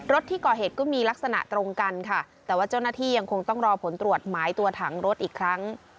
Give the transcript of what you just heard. ที่ก่อเหตุก็มีลักษณะตรงกันค่ะแต่ว่าเจ้าหน้าที่ยังคงต้องรอผลตรวจหมายตัวถังรถอีกครั้ง